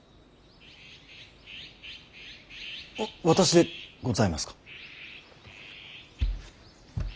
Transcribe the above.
私でございますか。